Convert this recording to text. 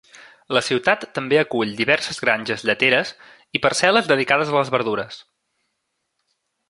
La ciutat també acull diverses granges lleteres i parcel·les dedicades a les verdures.